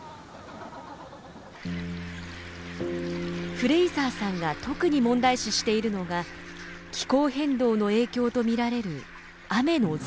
フレイザーさんが特に問題視しているのが気候変動の影響と見られる雨の増加です。